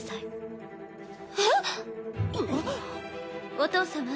お父様